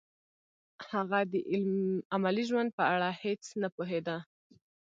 هغه د عملي ژوند په اړه هیڅ نه پوهېده